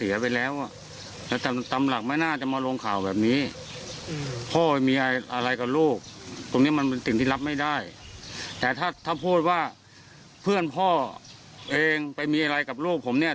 อย่างที่รับไม่ได้แต่ถ้าพูดว่าเพื่อนพ่อเองไปมีอะไรกับลูกผมเนี่ย